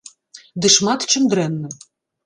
Ды шмат чым дрэнны.